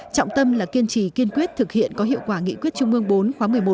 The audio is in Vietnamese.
trọng tâm là kiên trì kiên quyết thực hiện có hiệu quả nghị quyết trung ương bốn khóa một mươi một